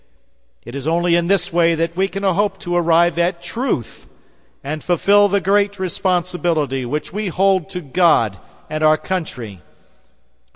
It is only in this way that we can hope to arrive at truth, and fulfill the great responsibility which we hold to God and our country.